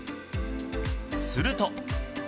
すると。